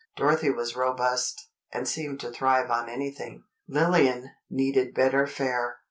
Dorothy was robust, and seemed to thrive on anything; Lillian needed better fare.